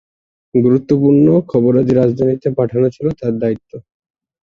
গুরুত্বপূর্ণ খবরাদি রাজধানীতে পাঠানো ছিল তার দায়িত্ব।